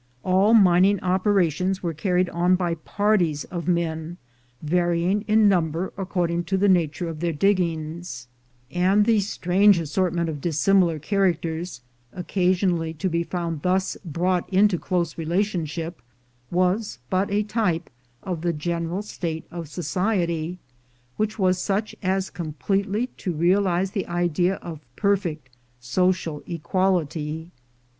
All mining operations were carried on by parties of men, varying in number according to the FRENCHMEN IN THE MINES 349 nature of their diggings; and the strange assortment of dissimilar characters occasionally to be found thus brought into close relationship was but a type of the general state of society, which was such as completely to realize the idea of perfect social equality.